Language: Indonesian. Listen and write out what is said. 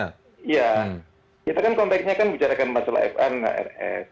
kita kan konteksnya kan bicarakan pasal fr dengan hrs